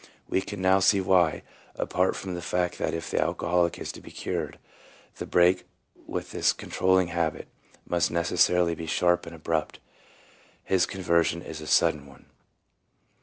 We can now see why — apart from the fact that if the alcoholic is to be cured, the break with his con trolling habit must necessarily be sharp and abrupt — his conversion is a sudden one.